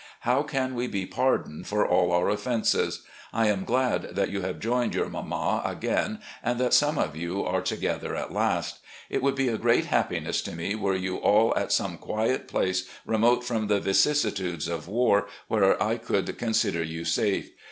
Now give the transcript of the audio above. How can we be pardoned for all our offenses! I am glad that you have joined your mamma again and that some of you are together at last. It would be a great happiness to me were you all at some quiet place, remote from the vicissitudes of war, where I could consider you safe.